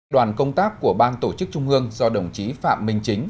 đoàn công tác của ban tổ chức trung ương do đồng chí phạm minh chính